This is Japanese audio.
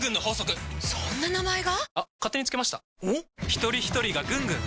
ひとりひとりがぐんぐん！